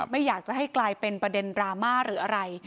ไม่อยากจะให้กลายเป็นประเด็นดราม่าหรืออะไร